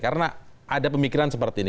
karena ada pemikiran seperti ini